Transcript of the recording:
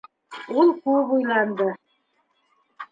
Ул күп уйланды.